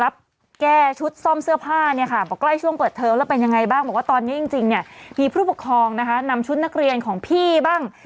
เพราะตอนนี้จริงมีผู้ปกครองนำชุดนักเรียนของพี่บ้าง